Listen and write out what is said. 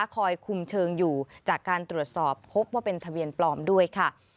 คอยคุมเชิงอยู่จากการตรวจสอบพบว่าเป็นทะเบียนปลอมด้วยค่ะ